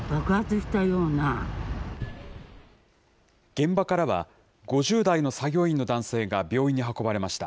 現場からは、５０代の作業員の男性が病院に運ばれました。